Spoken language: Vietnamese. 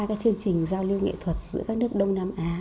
các chương trình giao lưu nghệ thuật giữa các nước đông nam á